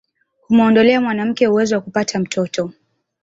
kumuondolea mwanamke uwezo wa kupata mtoto